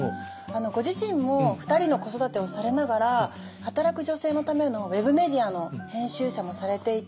ご自身も２人の子育てをされながら働く女性のためのウェブメディアの編集者もされていて。